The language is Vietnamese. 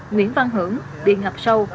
nguyễn văn hưởng bị ngập sâu